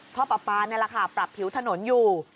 ปลาปลานี่แหละค่ะปรับผิวถนนอยู่